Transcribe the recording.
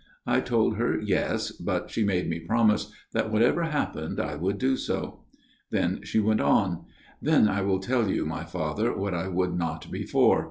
" I told her Yes, but she made me promise that whatever happened I would do so. " Then she went on, * Then I will tell you, my Father, what I would not before.